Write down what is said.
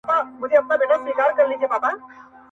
په دار مي کړئ چي ياد – یاد سي د دې زمانې